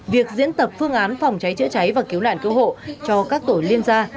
việc diễn tập phương án phòng cháy chữa cháy và cứu nạn cứu hộ cho các tổ liên gia